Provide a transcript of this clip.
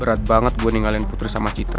berat banget gue ninggalin putri sama citra